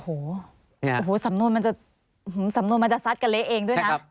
โอ้โหสำนวนมันจะสัดกันเลยเองด้วยนะ